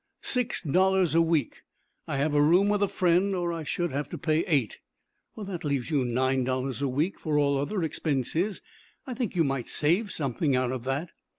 "Six dollars a week. I have a room with a friend, or I should have to pay eight." "That leaves you nine dollars a week for all other expenses. I think you might save something out of that."